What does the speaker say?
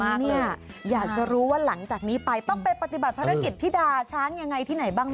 เนี่ยอยากจะรู้ว่าหลังจากนี้ไปต้องไปปฏิบัติภารกิจที่ดาช้างยังไงที่ไหนบ้าง